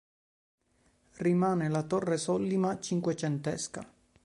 Rimane la "Torre Sollima" cinquecentesca.